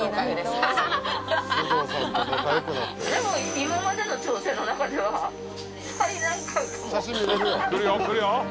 でも今までの挑戦の中では最難関かも。